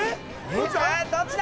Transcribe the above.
さあどっちだ！